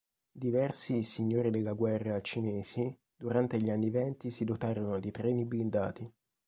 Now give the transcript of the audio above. Diversi "signori della guerra" cinesi durante gli anni venti si dotarono di treni blindati.